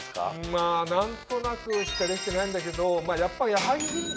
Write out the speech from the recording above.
まぁ何となくしかできてないんだけどやっぱり。